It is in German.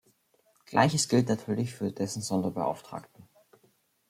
Gleiches gilt natürlich für dessen Sonderbeauftragten.